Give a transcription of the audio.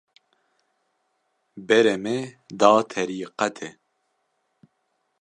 Berê me da terîqetê